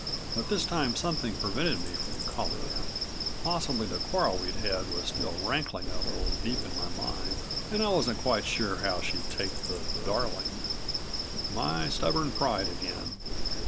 But this time something prevented me from calling out. Possibly the quarrel we'd had was still rankling a little deep in my mind and I wasn't quite sure how she'd take the "Darling." My stubborn pride again.